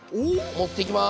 持っていきます。